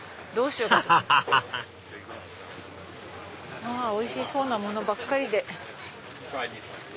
アハハハハおいしそうなものばっかりで。